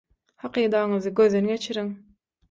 Hakydaňyzy gözden geçiriň.